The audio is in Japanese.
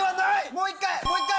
もう一回！